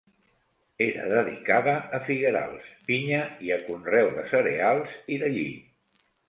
Era dedicada a figuerals, vinya i a conreu de cereals i de lli.